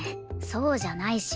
そうじゃないし。